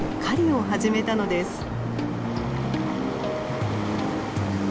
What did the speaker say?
狩りを始めたのです。